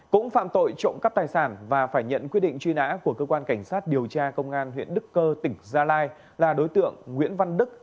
cũng phạm tội trộm cắp tài sản và phải nhận quyết định truy nã của cơ quan cảnh sát điều tra công an huyện đức cơ tỉnh gia lai là đối tượng nguyễn văn đức